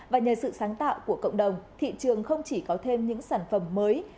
và nhờ sự sáng tạo của cộng đồng thị trường không chỉ có thêm những sản phẩm mới